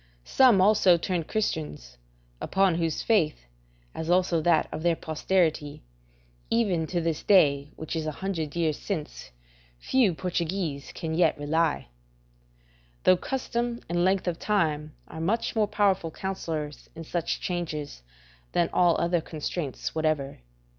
Some also turned Christians, upon whose faith, as also that of their posterity, even to this day, which is a hundred years since, few Portuguese can yet rely; though custom and length of time are much more powerful counsellors in such changes than all other constraints whatever.